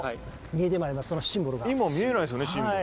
今見えないですよねシンボル。